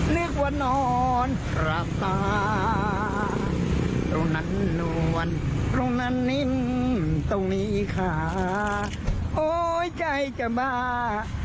แล้วเอ๊ยใจจะขาด